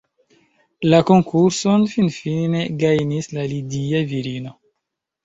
La konkurson finfine gajnis la lidia virino.